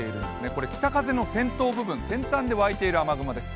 これ北風の先頭部分、先端で沸いている雲です。